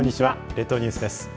列島ニュースです。